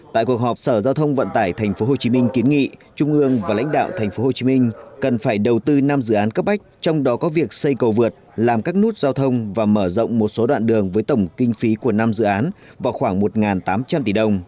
tại cuộc họp sở giao thông vận tải tp hcm kiến nghị trung ương và lãnh đạo tp hcm cần phải đầu tư năm dự án cấp bách trong đó có việc xây cầu vượt làm các nút giao thông và mở rộng một số đoạn đường với tổng kinh phí của năm dự án vào khoảng một tám trăm linh tỷ đồng